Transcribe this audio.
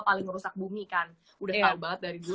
paling merusak bumi kan udah tahu banget dari dulu